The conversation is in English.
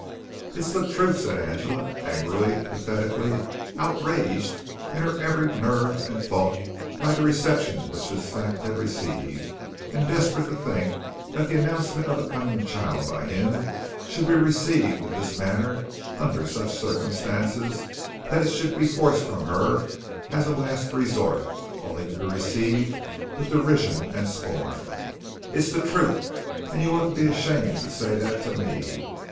"It's the truth!" said Angela angrily, pathetically, outraged in her every nerve and thought by the reception which this fact had received, and desperate to think that the announcement of a coming child by him should be received in this manner under such circumstances that it should be forced from her as a last resort, only to be received with derision and scorn. "It's the truth, and you ought to be ashamed to say that to me.